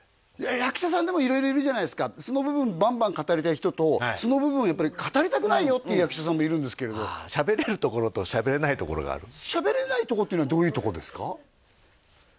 役者さんでも色々いるじゃないですか素の部分バンバン語りたい人と素の部分をやっぱり語りたくないよっていう役者さんもいるんですけれどしゃべれるところとしゃべれないところがあるしゃべれないとこっていうのはどういうとこですか？